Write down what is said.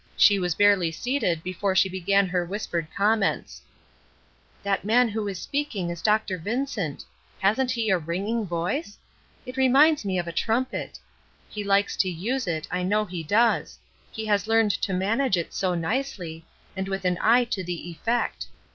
She was barely seated before she began her whispered comments: "That man who is speaking is Dr. Vincent. Hasn't he a ringing voice? It reminds me of a trumpet. He likes to use it, I know he does; he has learned to manage it so nicely, and with an eye to the effect.